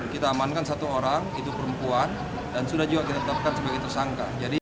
kita amankan satu orang itu perempuan dan sudah juga kita tetapkan sebagai tersangka